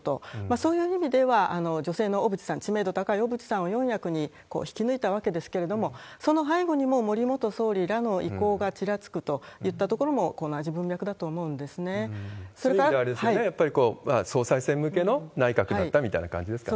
そういう意味では、女性の小渕さん、知名度高い小渕さんを四役に引き抜いたわけですけれども、その背後にも、森元総理の意向がちらつくといったところも、同じ文脈だと思うんそういう意味で、やっぱり総裁選向けの内閣だったみたいな感じですかね？